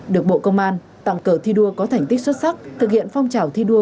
được bộ công an tặng cờ thi đua có thành tích xuất sắc thực hiện phong trào thi đua